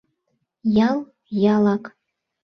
Ял — ялак.